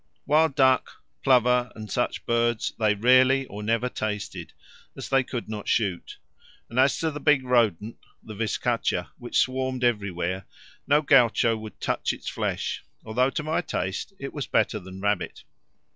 Wild duck, plover, and such birds they rarely or never tasted, as they could not shoot; and as to the big rodent, the vizcacha, which swarmed everywhere, no gaucho would touch its flesh, although to my taste it was better than rabbit.